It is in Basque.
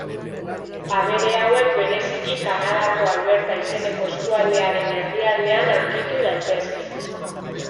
Abere hauek bereziki Kanadako Alberta izeneko eskualdearen erdialdean aurkitu daitezke.